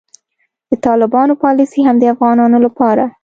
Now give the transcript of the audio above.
د طالبانو پالیسي هم د افغانانو لپاره